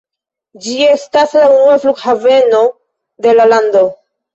Ĝi estas la unua flughaveno de la lando.